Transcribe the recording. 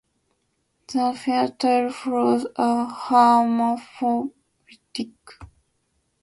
The fertile flowers are hermaphroditic.